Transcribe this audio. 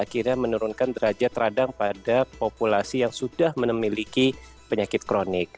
jadi akhirnya menurunkan derajat terhadang pada populasi yang sudah memiliki penyakit kronik